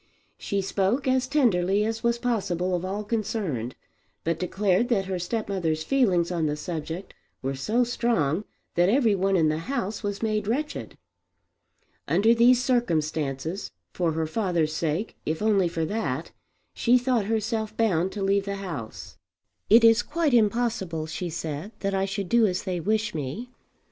She spoke as tenderly as was possible of all concerned, but declared that her stepmother's feelings on the subject were so strong that every one in the house was made wretched. Under these circumstances, for her father's sake if only for that, she thought herself bound to leave the house. "It is quite impossible," she said, "that I should do as they wish me.